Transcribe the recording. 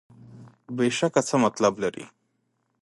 بېشکه څه مطلب لري.